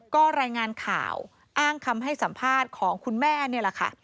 ก็รายงานข่าวอ้างคำให้สัมภาษณ์ของคุณแม่นี่แหละค่ะ